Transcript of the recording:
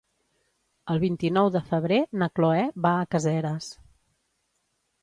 El vint-i-nou de febrer na Cloè va a Caseres.